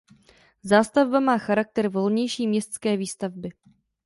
Zástavba má charakter volnější městské výstavby.